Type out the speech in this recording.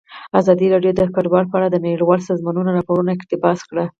ازادي راډیو د کډوال په اړه د نړیوالو سازمانونو راپورونه اقتباس کړي.